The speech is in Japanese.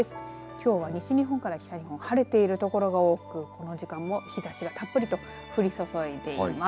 きょうは西日本から北日本晴れているところが多くこの時間も日ざしがたっぷりと降り注いでいます。